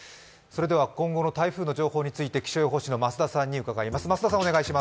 それでは今後の台風の情報について、気象予報士の増田さんに伺います。